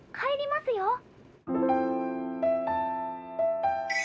入りますよ。